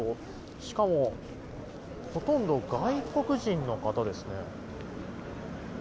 しかもほとんど外国人の方ですね。